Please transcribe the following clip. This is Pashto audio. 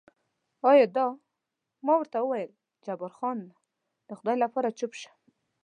ایا دا؟ ما ورته وویل جبار خان، د خدای لپاره چوپ شه.